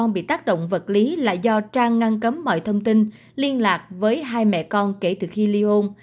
bị tác động vật lý là do trang ngăn cấm mọi thông tin liên lạc với hai mẹ con kể từ khi ly hôn